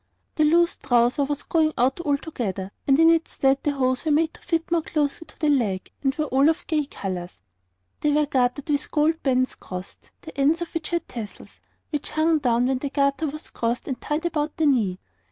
The loose trouser was going out altogether, and in its stead the hose were made to fit more closely to the leg, and were all of gay colours; they were gartered with gold bands crossed, the ends of which had tassels, which hung down when the garter was crossed and tied about the knee.